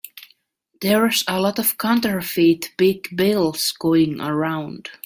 There's a lot of counterfeit big bills going around.